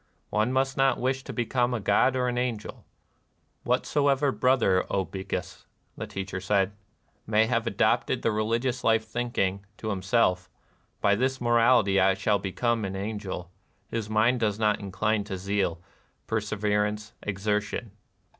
One must not wish to become a god or an angel. " Whatsoever brother, O Bhikkus," — the Teacher said, —" may have adopted the religious life thinking, to himself, ' By this morality I shall become an angel^ his mind does not incline to zeal, per severance, exertion."